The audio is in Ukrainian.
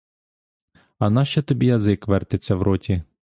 А нащо тобі язик вертиться в роті?